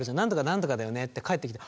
「何とかだよね」って返ってきて。